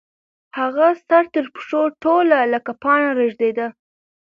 هغه سر تر پښو ټوله لکه پاڼه رېږدېده.